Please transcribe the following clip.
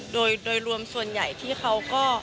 โดยรวมส่วนใหญ่ที่เขาก็